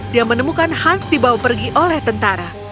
dia menemukan hans dibawa pergi oleh tentara